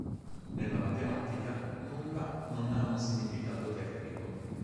Nella matematica, "nulla" non ha un significato tecnico.